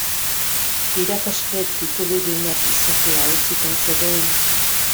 Irakasle tituludunak izatea auzitan zegoen?